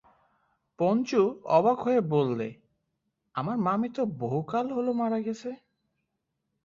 পঞ্চু অবাক হয়ে বললে, আমার মামী তো বহুকাল হল মারা গেছে।